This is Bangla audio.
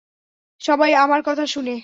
সবাই আমার কথা শুনে।